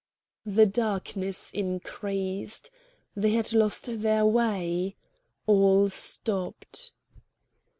The darkness increased. They had lost their way. All stopped.